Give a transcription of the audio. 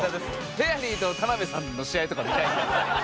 フェアリーと田辺さんの試合とか見たいですよね。